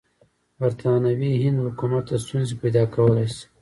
برټانوي هند حکومت ته ستونزې پیدا کولای شي.